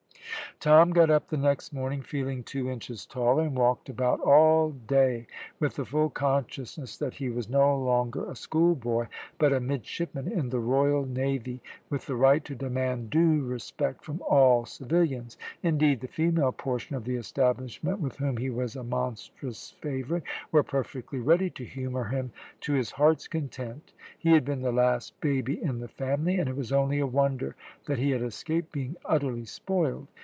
Tom got up the next morning, feeling two inches taller, and walked about all day with the full consciousness that he was no longer a schoolboy, but a midshipman in the Royal Navy, with the right to demand due respect from all civilians; indeed the female portion of the establishment, with whom he was a monstrous favourite, were perfectly ready to humour him to his heart's content. He had been the last baby in the family, and it was only a wonder that he had escaped being utterly spoiled.